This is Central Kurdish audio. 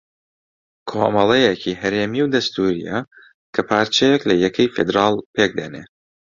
کۆمەڵەیەکی ھەرێمی و دەستوورییە کە پارچەیەک لە یەکەی فێدراڵ پێک دێنێ